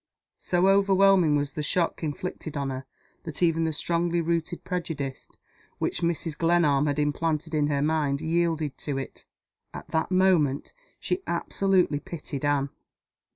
So overwhelming was the shock inflicted on her that even the strongly rooted prejudice which Mrs. Glenarm had implanted in her mind yielded to it. At that moment she absolutely pitied Anne!